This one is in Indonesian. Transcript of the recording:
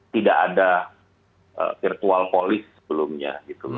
tidak ada virtual police sebelumnya